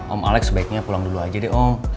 om alex sebaiknya pulang dulu aja deh oh